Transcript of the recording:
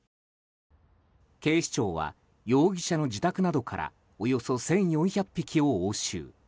警視庁は、容疑者の自宅などからおよそ１４００匹を押収。